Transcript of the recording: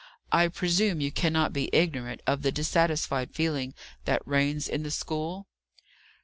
I presume you cannot be ignorant of the dissatisfied feeling that reigns in the school?"